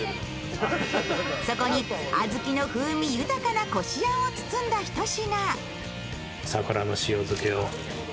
そこに小豆の風味豊かなこしあんを包んだ、ひと品。